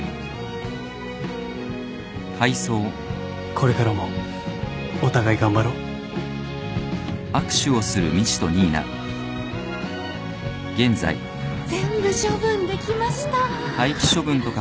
これからもお互い頑張ろう全部処分できました。